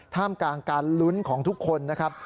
ท่ามกลางการลุ้นของทุกคนนะครับ